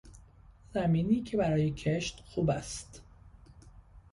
زمینی که برای کشت خوب است